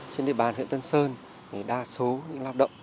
trên địa bàn huyện tân sơn thì đa số những lao động